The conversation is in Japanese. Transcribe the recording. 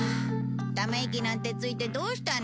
ため息なんてついてどうしたの？